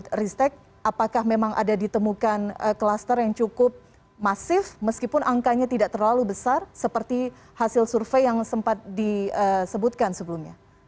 dari ristek apakah memang ada ditemukan klaster yang cukup masif meskipun angkanya tidak terlalu besar seperti hasil survei yang sempat disebutkan sebelumnya